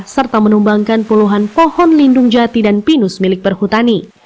serta menumbangkan puluhan pohon lindung jati dan pinus milik perhutani